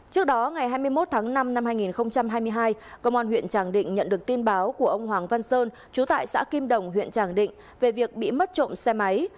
trước đó ngày hai mươi một tháng năm năm hai nghìn hai mươi hai công an huyện tràng định nhận được tin báo của ông hoàng văn sơn chú tại xã kim đồng huyện tràng định về việc bị mất trộm xe máy